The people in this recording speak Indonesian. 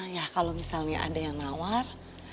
ya kalau misalnya ada yang nawar